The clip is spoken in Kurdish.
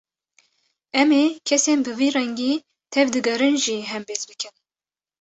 Em ê kesên bi vî rengî tevdigerin jî hembêz bikin